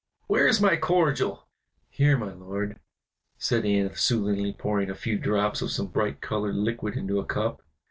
Where is my cordial?" "Here, my lord," said Anna soothingly, pouring a few drops of some bright colored liquid into a cup.